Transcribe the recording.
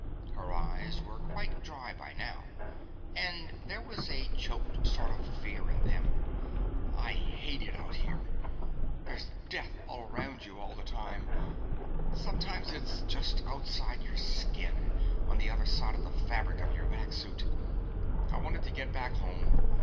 Her eyes were quite dry by now, and there was a choked sort of fear in them. "I hate it out here. There's death all around you all the time; sometimes it's just outside your skin, on the other side of the fabric of your vac suit. I wanted to get back home.